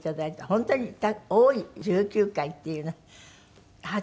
本当に多い１９回っていうのは。